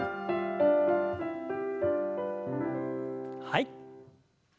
はい。